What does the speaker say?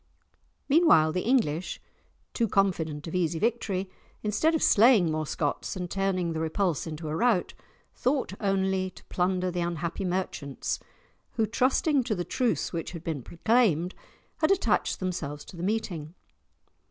Meanwhile, the English, too confident of easy victory, instead of slaying more Scots and turning the repulse into a rout, thought only to plunder the unhappy merchants, who, trusting to the truce which had been proclaimed, had attached themselves to the meeting.